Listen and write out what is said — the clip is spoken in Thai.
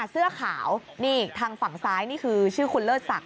เสื้อขาวนี่ทางฝั่งซ้ายนี่คือชื่อคุณเลิศศักดิ